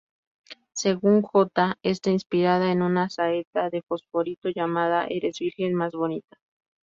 Según J, está inspirada en una saeta de Fosforito llamada "Eres virgen más bonita".